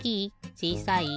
ちいさい？